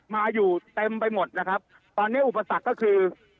มาอยู่เต็มไปหมดนะครับตอนนี้อุปสรรคก็คือ